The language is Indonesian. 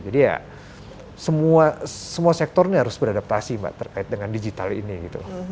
jadi ya semua sektor ini harus beradaptasi mbak terkait dengan digital ini gitu